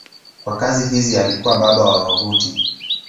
Kwa kazi hizi alikuwa baba wa wavuti.